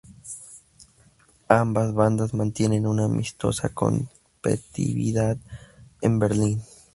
Ambas bandas mantienen una amistosa competitividad en Berlín.